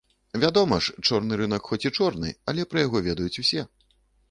Вядома ж, чорны рынак хоць і чорны, але пра яго ведаюць усе.